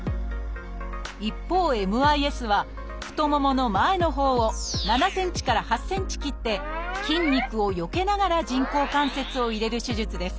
一方ＭＩＳは太ももの前のほうを７センチから８センチ切って筋肉をよけながら人工関節を入れる手術です